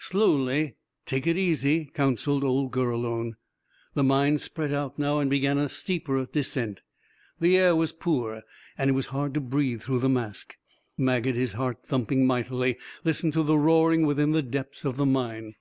"Slowly, take it easy," counseled old Gurlone. The mine spread out now, and began a steeper descent. The air was poor, and it was hard to breathe through the mask. Maget, his heart thumping mightily, listened to the roaring within the depths of the mine.